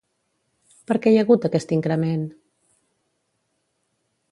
Per què hi ha hagut aquest increment?